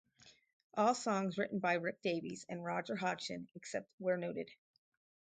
All songs written by Rick Davies and Roger Hodgson, except where noted.